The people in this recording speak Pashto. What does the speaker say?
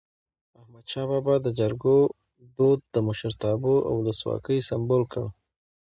احمد شاه بابا د جرګو دود د مشرتابه او ولسواکی سمبول کړ.